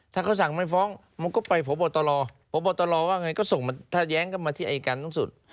ถ้าเขาสั่งไม่ฟ้องมันก็ไปพบตรพบตรว่าไงก็ส่งมาถ้าแย้งก็มาที่อายการสูงสุด